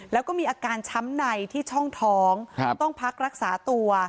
แล้วก็มีอาการช้ำในที่ช่องท้องต้องพักรักษาตัว